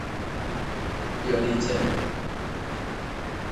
Jioni njema